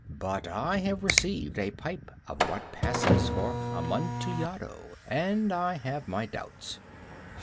But I have received a pipe of what passes for Amontillado, and I have my doubts."